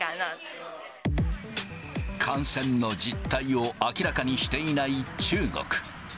感染の実態を明らかにしていない中国。